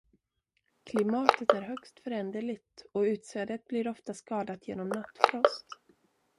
Klimatet är högst föränderligt, och utsädet blir ofta skadat genom nattfrost.